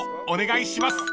お願いします］